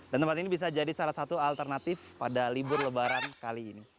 dan tempat ini bisa jadi salah satu alternatif pada libur lebaran kali ini